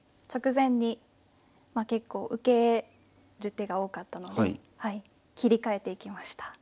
直前に結構受ける手が多かったので切り替えていきました。